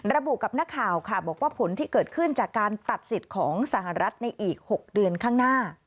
ระบุกับนักข่าวค่ะบอกว่าผลที่เกิดขึ้นจากการตัดสิทธิ์ของสหรัฐในอีก๖เดือนข้างหน้า